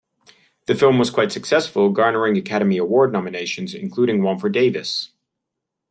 The film was quite successful, garnering Academy Award nominations, including one for Davis.